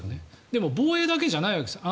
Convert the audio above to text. でも防衛だけじゃないわけですよ。